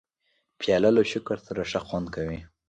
پیاله له شکر سره ښه خوند کوي.